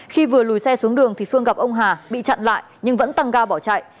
khi vừa lùi xe xuống đường thì phương gặp ông hà bị chặn lại nhưng vẫn tăng ga bỏ chạy